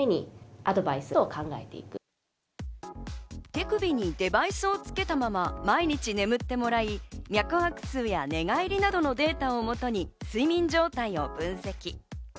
手首にデバイスを付けたまま毎日眠ってもらい、脈拍数や寝返りなどのデータをもとに睡眠状態の分析。